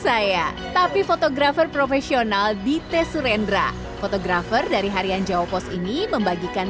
saya tapi fotografer profesional di tesurendra fotografer dari harian jawa pos ini membagikan